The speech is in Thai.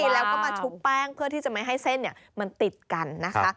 แล้วก็มาชุบแป้งเพื่อที่จะไม่ให้เส้นมันติดกันนะคะ